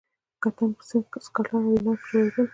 کتان په سکاټلند او ایرلنډ کې تولیدېدل.